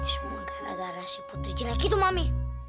semua gara gara si putri jelek itu mami